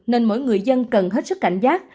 nên mỗi người dân cần hết sức cảnh giác